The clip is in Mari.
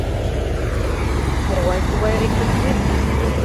— Могай-тугай рэкетир?